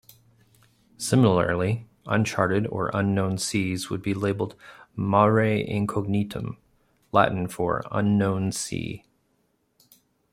Similarly, uncharted or unknown seas would be labeled mare incognitum, Latin for "unknown sea".